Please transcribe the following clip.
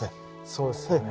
そうですよね。